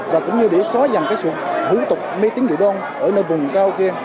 và cũng như để xóa dằn sự hữu tục mê tính dự đoan ở nơi vùng cao kia